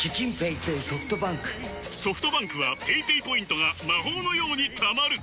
ソフトバンクはペイペイポイントが魔法のように貯まる！